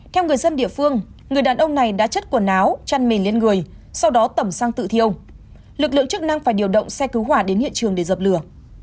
theo người dân địa phương người đàn ông này đã chất quần áo chăn mình lên người sau đó tẩm xăng tự thiêu lực lượng chức năng phải điều động xe cứu hỏa đến hiện trường để dập lửa